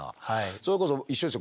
それこそ一緒ですよ。